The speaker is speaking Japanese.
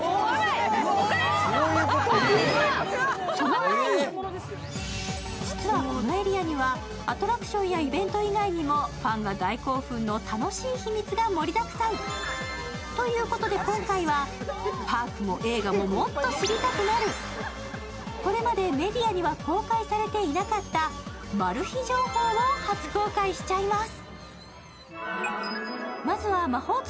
その前に実はこのエリアには、アトラクションやイベント以外にもファンが大興奮の楽しい秘密が盛りだくさん。ということで今回は、パークも映画ももっと知りたくなる、これまでメディアには公開されていなかったマル秘情報を初公開しちゃいます。